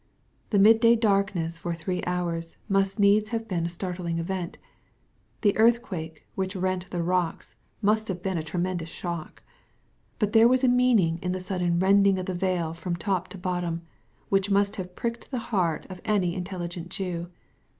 The mid day darkness for three hours, must needs have been a startling event. The earthquake, which rent the rocks, must have been a tremendous shock. But there was a meaning in the sudden rending of the veil from top to bottom, which must have pricked the heart of any intel ligent Jew.